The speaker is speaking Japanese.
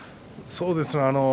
そうですね。